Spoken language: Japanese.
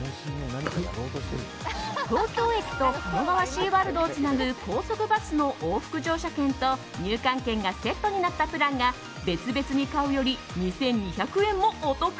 東京駅と鴨川シーワールドをつなぐ、高速バスの往復乗車券と入館券がセットになったプランが別々に買うより２２００円もお得。